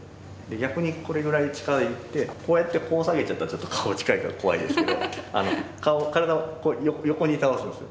逆にこれぐらいに近づいてこうやってこう下げちゃったらちょっと顔近いから怖いですけど顔体は横に倒すんですよ